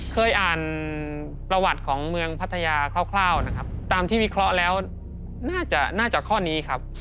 เคยอ่านประวัติของเมืองพัทยาคร่าวนะครับตามที่วิเคราะห์แล้วน่าจะน่าจะข้อนี้ครับ